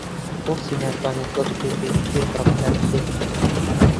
بۆچی ناتوانیت وەک پێگەیشتوویەک ڕەفتار بکەیت؟